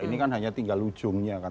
ini kan hanya tinggal ujungnya kan